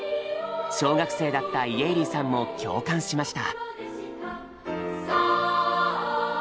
小学生だった家入さんも共感しました。